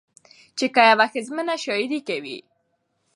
چې که يوه ښځمنه شاعري کوي